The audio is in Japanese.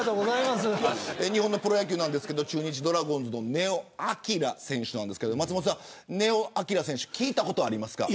日本のプロ野球なんですが中日ドラゴンズの根尾昂選手なんですが松本さん、根尾昂選手聞いたことありますか。